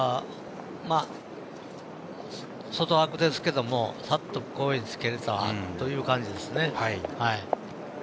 外枠ですけども、ぱっと好位置をつけるかという感じですね。